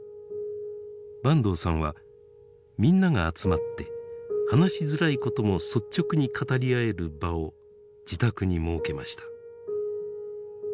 坂東さんはみんなが集まって話しづらいことも率直に語り合える場を自宅に設けました。